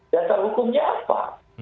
dasar hukumnya apa